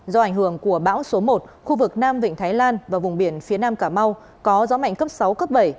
do ảnh hưởng của bão số một khu vực nam vịnh thái lan và vùng biển phía nam cà mau có gió mạnh cấp sáu cấp bảy